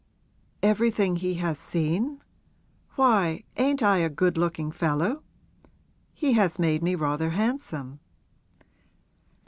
'Everything he has seen? Why, ain't I a good looking fellow? He has made me rather handsome.'